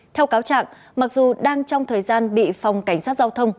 theo cáo trạng mặc dù đang trong thời gian bị phòng cảnh sát giao thông